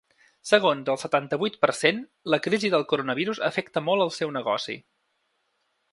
Segons el setanta-vuit per cent, la crisi del coronavirus afecta molt el seu negoci.